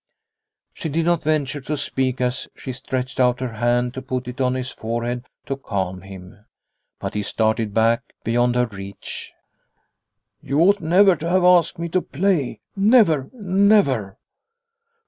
She did not venture to speak as she stretched out her hand to put it on his forehead to calm him, but he started back beyond her reach. " You ought never to have asked me to play never never